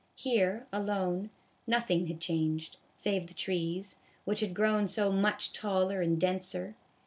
Here, alone, nothing had changed, save the trees, which had grown so much taller and denser.